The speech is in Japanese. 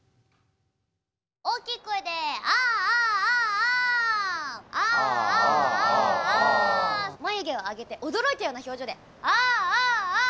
大きい声で「ああああ！」。「ああああ！」。眉毛を上げて驚いたような表情で「ああああ！」。